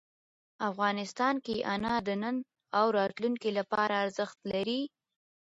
افغانستان کې انار د نن او راتلونکي لپاره ارزښت لري.